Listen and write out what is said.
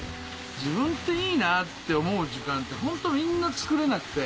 自分っていいなぁって思う時間ってホントみんなつくれなくて。